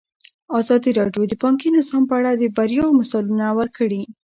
ازادي راډیو د بانکي نظام په اړه د بریاوو مثالونه ورکړي.